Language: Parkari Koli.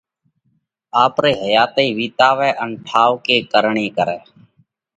آپرئِي حياتئِي وِيتاوئه ان ٺائُوڪي ڪرڻي ڪرئه۔